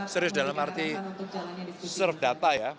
serius dalam arti serve data ya